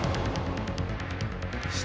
下？